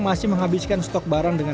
sudah mulai stok barang